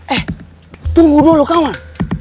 eh tunggu dulu kawan